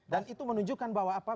dan itu menunjukkan bahwa apa